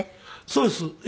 そうです。